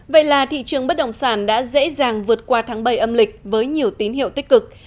vậy là thị trường bất động sản đã dễ dàng vượt qua tháng bảy âm lịch với nhiều tín hiệu tích cực